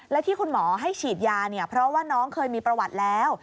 และที่คุณหมอให้ฉีดยาเนี่ยเพราะว่าน้องเคยมีประวัติแล้ว